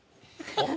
あっ。